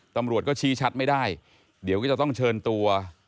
ตำรวจก็ชี้ชัดไม่ได้เดี๋ยวก็จะต้องเชิญตัว